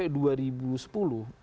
itu target operasi terorisme itu hanya